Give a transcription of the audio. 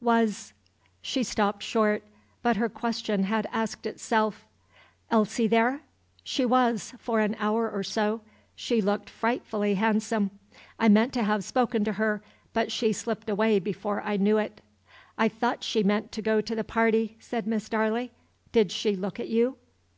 "Was" ? She stopped short; but her question had asked itself. "Elsie there? She was, for an hour or so. She looked frightfully handsome. I meant to have spoken to her, but she slipped away before I knew it." "I thought she meant to go to the party," said Miss Darley. "Did she look at you?"